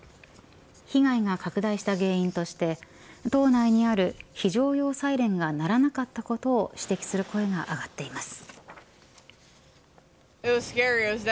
被害が拡大した原因として島内にある非常用サイレンが鳴らなかったことを指摘する声が上がっています。